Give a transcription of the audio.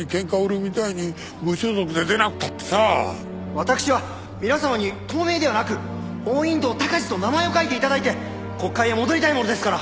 私は皆様に党名ではなく王隠堂鷹児と名前を書いて頂いて国会へ戻りたいものですから。